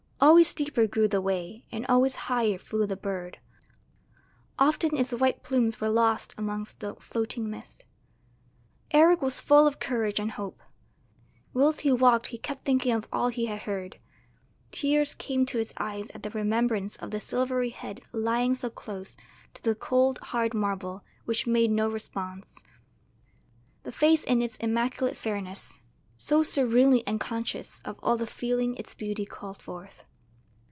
Always steeper grew the way, and always higher flew the bird; often its white plumes were lost amongst the floating mist. Eric was full of courage and hope; whilst he walked he kept thinking of all he had heard. Tears came to his eyes at the remembrance of the silvery head lying so close to the cold hard marble which made no response, the face in its immaculate fairness so serenely unconscious of all the feeling its beauty called forth.